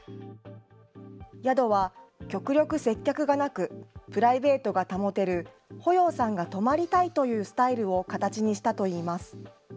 宿は、極力接客がなく、プライベートが保てる、保要さんが泊まりたいというスタイルを形にしたといいます。